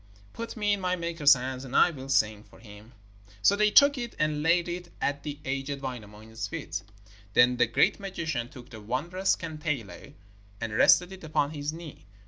Put me in my maker's hands, and I will sing for him.' So they took it and laid it at the aged Wainamoinen's feet. Then the great magician took the wondrous kantele and rested it upon his knee.